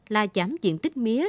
là giảm diện tích mía